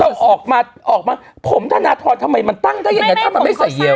เราออกมาออกมาเขาออกมาผมธนาทรทำไมตั้งได้ยังไงถ้ามันไม่ใส่เหยียว